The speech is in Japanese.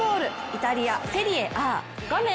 イタリア・セリエＡ画面